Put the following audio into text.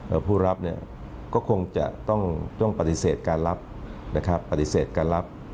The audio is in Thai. เอ่อผู้รับเนี่ยก็คงจะต้องต้องปฏิเสธการรับนะครับ